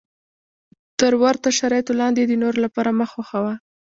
تر ورته شرایطو لاندې یې د نورو لپاره مه خوښوه.